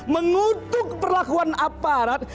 mengutuk perlakuan aparat